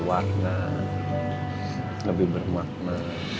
hidup papa jadi lebih berwarna